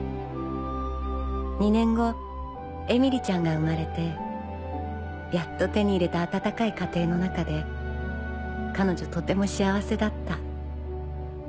２年後絵美里ちゃんが生まれてやっと手に入れた温かい家庭の中で彼女とても幸せだった。